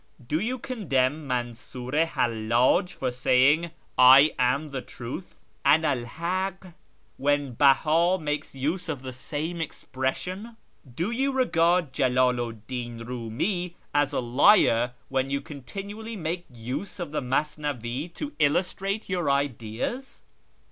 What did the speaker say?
Do you condemn Mansiir i Hallaj for saying, ' I am the Truth ' {And 'l Hakh), when Behd makes use of the same expression ? Do you regard Jalalu 'd Din Eiimi as a liar when you continually make use of the Masnavi to illustrate your ideas